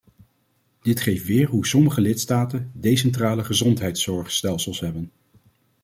Dit geeft weer hoe sommige lidstaten decentrale gezondheidszorgstelsels hebben.